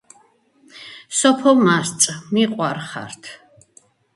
სოფო მასწ მიყვარხართ